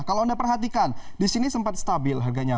kalau anda perhatikan di sini sempat stabil harganya